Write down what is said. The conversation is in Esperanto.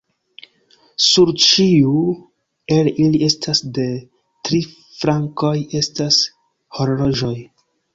Sur ĉiu el ili estas de tri flankoj estas horloĝoj.